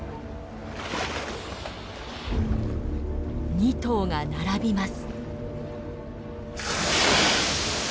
２頭が並びます。